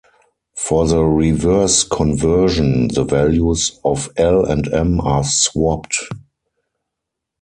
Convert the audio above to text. For the reverse conversion, the values of L and M are swapped.